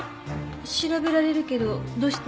調べられるけどどうして？